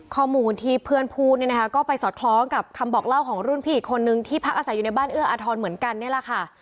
ข้อมูลที่เพื่อนพูดเนี่ยนะคะก็ไปสอดคล้องกับคำบอกเล่าของรุ่นพี่อีกคนนึงที่พักอาศัยอยู่ในบ้านเอื้ออาทรเหมือนกันนี่แหละค่ะ